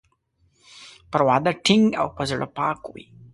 پر وعده ټینګ او په زړه پاک وي.